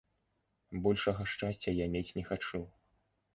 Большага шчасця я мець не хачу!